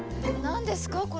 何ですか？